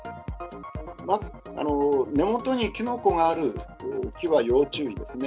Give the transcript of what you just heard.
まず根元にキノコがある木は要注意ですね。